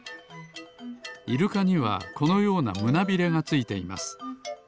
イルカにはこのようなむなびれがついています。